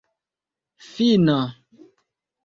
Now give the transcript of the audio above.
fina